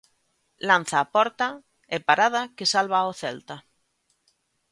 Lanza a porta e parada que salva ao Celta.